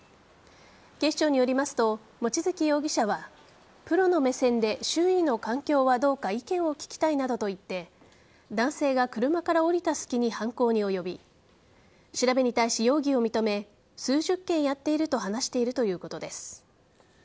警視庁によりますと望月容疑者はプロの目線で周囲の環境はどうか意見を聞きたいなどと言って男性が車から降りた隙に犯行に及び調べに対し、容疑を認め数十件やっていると話しているということです。